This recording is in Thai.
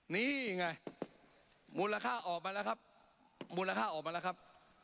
นี่ไงมูลค่าออกมาแล้วครับมูลค่าออกมาแล้วครับ